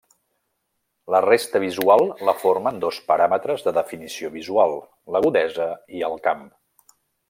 La resta visual la formen dos paràmetres de definició visual: l'agudesa i el camp.